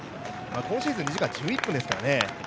今シーズン、２時間１１分ですからね。